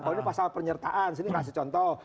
kalau ini pasal penyertaan sini kasih contoh